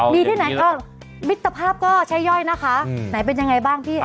มีที่ไหนก็มิตรภาพก็ใช้ย่อยนะคะไหนเป็นยังไงบ้างพี่